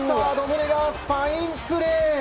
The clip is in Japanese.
ファインプレー！